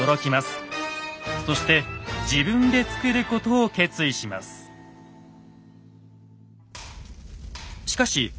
そして自分で作ることを決意します。